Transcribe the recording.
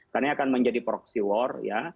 karena akan menjadi proxy war ya